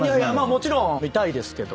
もちろん見たいですけど。